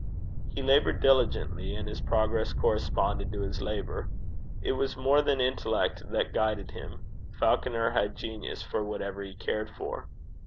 He laboured diligently; and his progress corresponded to his labour. It was more than intellect that guided him: Falconer had genius for whatever he cared for.